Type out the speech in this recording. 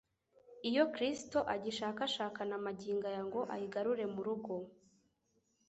iyo Kristo agishakashaka na magingo aya ngo ayigarure mu rugo.